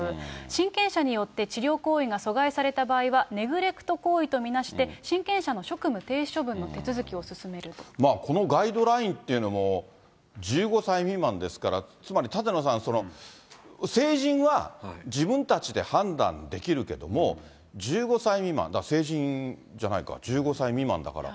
親権者によって治療行為が阻害された場合は、ネグレクト行為と見なして、親権者の職務停止処分の手続きを進めこのガイドラインというのも、１５歳未満ですから、つまり舘野さん、成人は自分たちで判断できるけども、１５歳未満、だから成人じゃないか、１５歳未満だから。